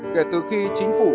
kể từ khi chính phủ